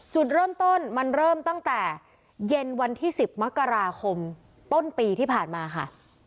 จุดเริ่มต้นมันเริ่มตั้งแต่เย็นวันที่๑๐มกราคมต้นปีที่ผ่านมาค่ะ